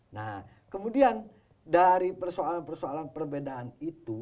nah kemudian dari persoalan persoalan perbedaan itu